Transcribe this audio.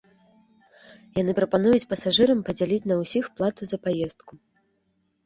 Яны прапануюць пасажырам падзяліць на ўсіх плату за паездку.